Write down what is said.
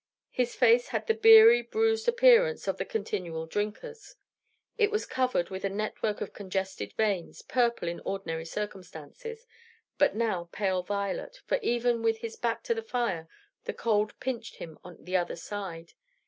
His face had the beery, bruised appearance of the continual drinker's; it was covered with a network of congested veins, purple in ordinary circumstances, but now pale violet, for even with his back to the fire the cold pinched him on the other side.